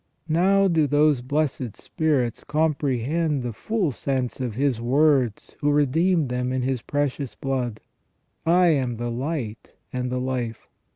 Now do those blessed spirits comprehend the full sense of His words who redeemed them in His precious blood :" I am the light and the life